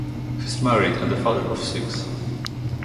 He is married and a father of six.